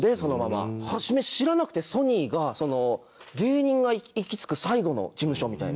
初め知らなくてソニーが芸人が行き着く最後の事務所みたいな。